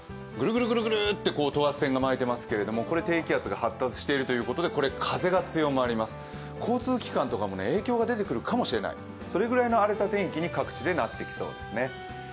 ぐるぐるぐるって等圧線が巻いてますけど低気圧が発達しているということで風が強まります、交通機関とかも影響が出てくるかもしれない、それぐらいの荒れた天気に各地でなってきそうですね。